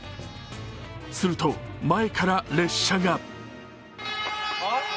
すると前から列車が。